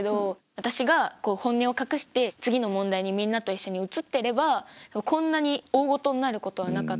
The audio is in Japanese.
私がこう本音を隠して次の問題にみんなと一緒に移ってればこんなに大ごとになることはなかったから。